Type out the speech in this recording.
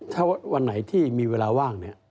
ถ้าวันไหนที่มีเวลาว่างเนี่ย